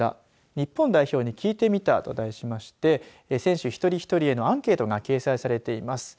日本代表に聞いてみたと題しまして選手一人一人へのアンケートが掲載されています。